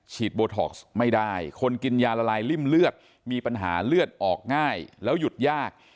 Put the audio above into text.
โบท็อกซ์ไม่ได้คนกินยาละลายริ่มเลือดมีปัญหาเลือดออกง่ายแล้วหยุดยาก